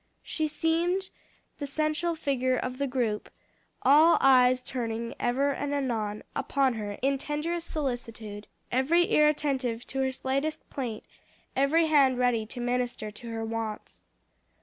She seemed the central figure of the group, all eyes turning ever and anon, upon her in tenderest solicitude, every ear attentive to her slightest plaint, every hand ready to minister to her wants.